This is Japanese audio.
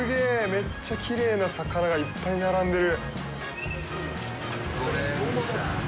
めっちゃきれいな魚がいっぱい並んでる！